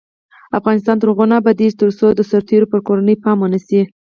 افغانستان تر هغو نه ابادیږي، ترڅو د سرتیرو پر کورنیو پام ونشي.